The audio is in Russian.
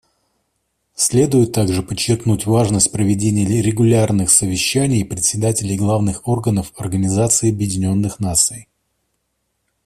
Следует также подчеркнуть важность проведения регулярных совещаний председателей главных органов Организации Объединенных Наций.